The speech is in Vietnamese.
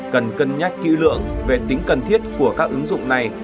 cần cân nhắc kỹ lưỡng về tính cần thiết của các ứng dụng này